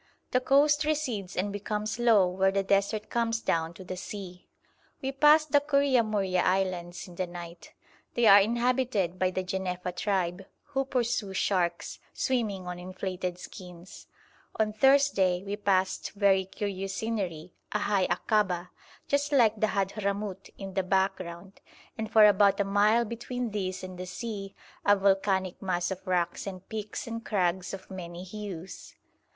The coast recedes and becomes low where the desert comes down to the sea. We passed the Kouria Mouria Islands in the night. They are inhabited by the Jenefa tribe, who pursue sharks, swimming on inflated skins. On Thursday we passed very curious scenery, a high akaba, just like the Hadhramout, in the background, and for about a mile between this and the sea a volcanic mass of rocks and peaks and crags of many hues.